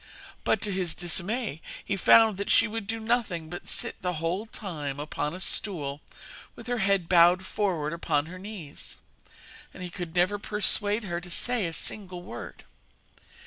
But, to his dismay, he found that she would do nothing but sit the whole time upon a stool with her head bowed forward upon her knees, and he could never persuade her to say a single word.